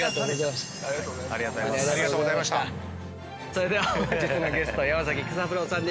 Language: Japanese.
それでは本日のゲスト山崎育三郎さんでした。